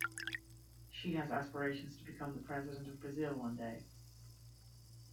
She has aspirations to become the president of Brazil one day.